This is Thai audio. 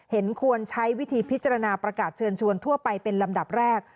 เห็นควรใช้วิธีพิจารณาประกาศเชิญชวนทั่วไปเป็นลำดับแรก